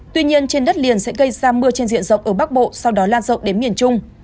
tuy nhiên trên đất liền sẽ gây ra mưa trên diện rộng ở bắc bộ sau đó lan rộng đến miền trung